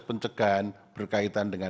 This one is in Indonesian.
pencegahan berkaitan dengan